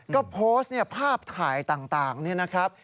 ก็โพสต์เนี่ยภาพถ่ายต่างเนี่ยนะครับ